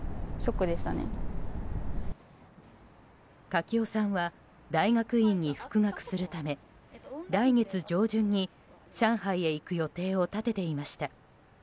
垣尾さんは大学院に復学するため来月上旬に、上海へ行く予定を立てていました。